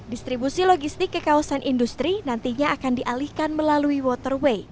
distribusi logistik ke kawasan industri nantinya akan dialihkan melalui waterway